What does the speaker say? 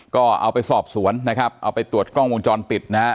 ก็เอาไปสอบสวนนะครับเอาไปตรวจกล้องวงจรปิดนะฮะ